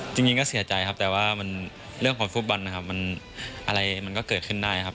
จริงก็เสียใจครับแต่ว่าเรื่องของฟุตบอลนะครับมันอะไรมันก็เกิดขึ้นได้ครับ